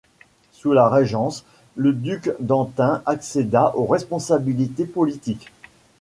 Sous la Régence, le duc d'Antin accéda aux responsabilités politiques.